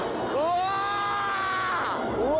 うわ！